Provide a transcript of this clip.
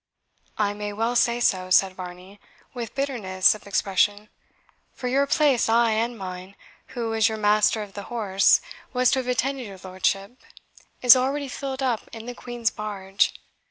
"I may well say so," said Varney, with bitterness of expression, "for your place, ay, and mine, who, as your master of the horse, was to have attended your lordship, is already filled up in the Queen's barge.